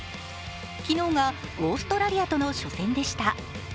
昨日がオーストラリアとの初戦でした。